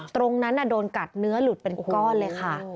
ตรงนั้นโดนกัดเนื้อหลุดเป็นก้อนเลยค่ะ